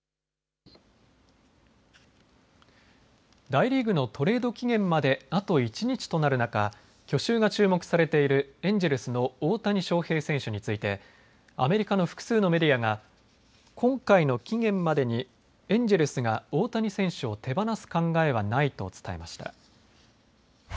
大リーグのトレード期限まであと一日となる中、去就が注目されているエンジェルスの大谷翔平選手についてアメリカの複数のメディアが今回の期限までにエンジェルスが大谷選手を手放す考えはないと伝えました。